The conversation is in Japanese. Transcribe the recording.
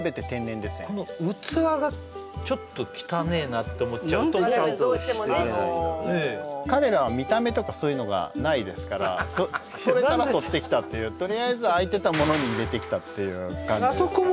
この器がちょっと汚えなと思っちゃうともう分かりますどうしてもねあの彼らは見た目とかそういうのがないですからとれたらとってきたっていうとりあえず空いてたものに入れてきたっていう感じですからあそこ